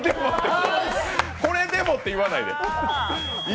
これでもって言わないで。